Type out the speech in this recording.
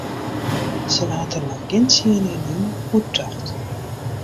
Sa waard dêr noch gjin tsien jier lyn oer tocht.